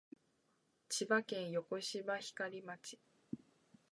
千葉県横芝光町